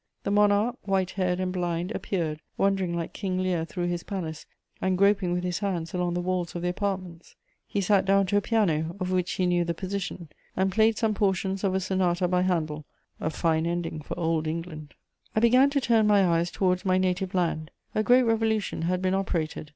The monarch, white haired and blind, appeared, wandering like King Lear through his palace and groping with his hands along the walls of the apartments. He sat down to a piano, of which he knew the position, and played some portions of a sonata by Handel: a fine ending for Old England! I began to turn my eyes towards my native land. A great revolution had been operated.